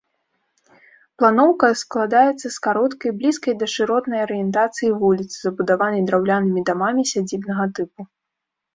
Планоўка складаецца з кароткай, блізкай да шыротнай арыентацыі вуліцы, забудаванай драўлянымі дамамі сядзібнага тыпу.